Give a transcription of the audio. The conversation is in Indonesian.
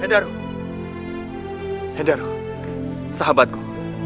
hei daru hei daru sahabatku